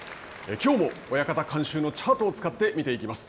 きょうも親方監修のチャートを使って見ていきます。